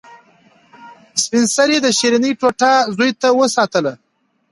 سپین سرې د شیرني ټوټه زوی ته وساتله.